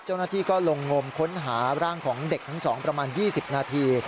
เจ้าหน้าที่ก็ลงงมค้นหาร่างของเด็กทั้ง๒ประมาณ๒๐นาที